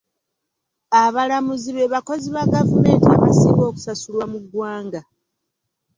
Abalamuzi be bakozi ba gavumenti abasinga okusasulwa mu ggwanga.